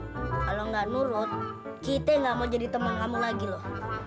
kalau nggak nurut kita nggak mau jadi teman kamu lagi loh